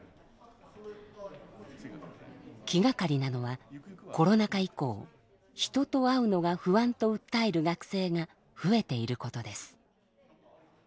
気がかりなのはコロナ禍以降人と会うのが不安と訴える学生が増えていることです。